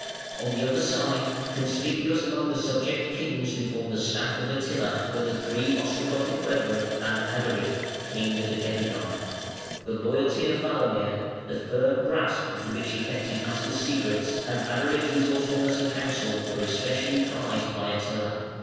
On the other side, conspicuous among the subject kings who formed the staff of Attila, were the three Ostrogothic brethren, and Ardaric, king of the Gepidæ. The loyalty of Walamir, the firm grasp with which he kept his master's secrets, and Ardaric's resourcefulness in counsel were especially prized by Attila.